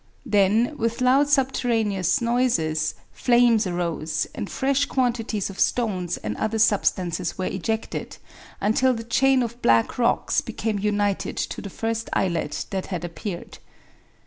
Then, with loud subterraneous noises, flames arose, and fresh quantities of stones and other substances were ejected, until the chain of black rocks became united to the first islet that had appeared.